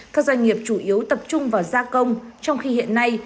các doanh nghiệp chủ yếu tập trung vào gia công trong khi hiện nay